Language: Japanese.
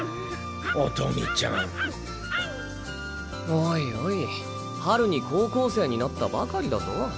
おいおい春に高校生になったばかりだぞ。